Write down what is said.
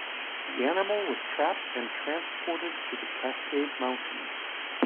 The animal was trapped and transported to the Cascade mountains.